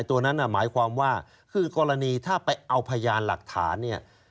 ตัวนั้นหมายความว่าคือกรณีถ้าไปเอาพยานหลักฐานเนี่ย